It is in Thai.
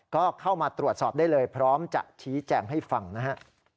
ก็เข้ามาตรวจสอบได้เลยพร้อมจะชี้แจงให้ฟังนะฮะ